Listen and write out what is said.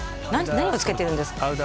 何をつけてるんですか？